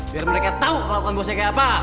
biar mereka tahu kelakuan bosnya kayak apa